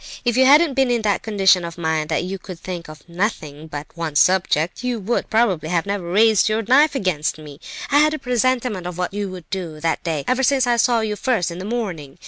If you hadn't been in that condition of mind that you could think of nothing but one subject, you would, probably, never have raised your knife against me. I had a presentiment of what you would do, that day, ever since I saw you first in the morning.